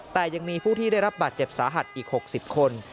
แต่ยังมีผู้ที่ได้รับบาดเจ็บสาหัสอีก๖๐คน